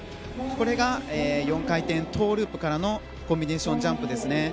これが４回転トウループからのコンビネーションジャンプです。